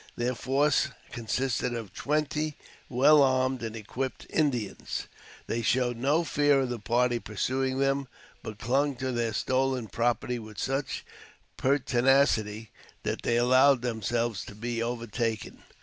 Their force consisted of twenty well armed and equipped Indians. They showed no fear of the party pursuing them, but clung to their stolen property with such pertinacity that they allowed themselves to be overtaken.